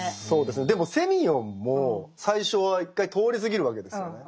でもセミヨンも最初は一回通り過ぎるわけですよね。